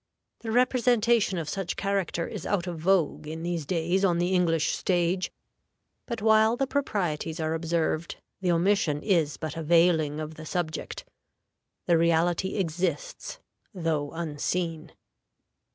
The representation of such character is out of vogue in these days on the English stage; but, while the proprieties are observed, the omission is but a veiling of the subject. The reality exists, though unseen.